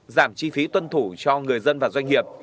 giảm chi phí tuân thủ cho người dân và doanh nghiệp